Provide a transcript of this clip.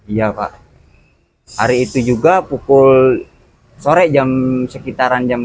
iya pak hari itu juga pukul sore jam sekitaran jam lima